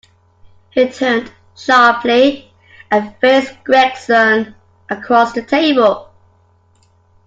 He turned sharply, and faced Gregson across the table.